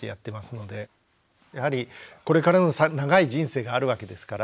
やはりこれからの長い人生があるわけですから。